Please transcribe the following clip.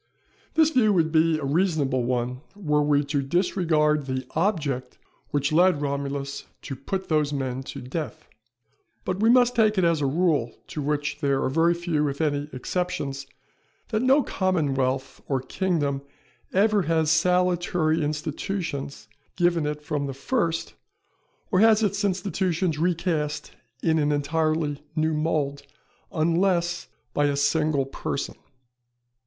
This view would be a reasonable one were we to disregard the object which led Romulus to put those men to death. But we must take it as a rule to which there are very few if any exceptions, that no commonwealth or kingdom ever has salutary institutions given it from the first or has its institutions recast in an entirely new mould, unless by a single person.